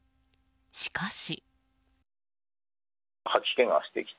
しかし。